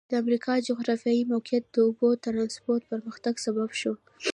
د امریکا جغرافیایي موقعیت د اوبو ترانسپورت پرمختګ سبب شوی.